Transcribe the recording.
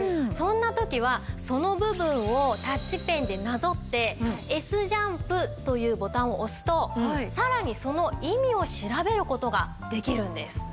そんな時はその部分をタッチペンでなぞって「Ｓジャンプ」というボタンを押すとさらにその意味を調べる事ができるんです。